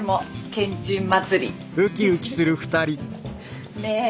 けんちん祭り！ね。